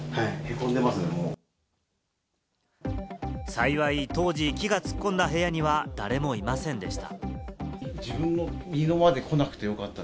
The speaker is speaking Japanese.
幸い、当時、木が突っ込んだ部屋には誰もいませんでした。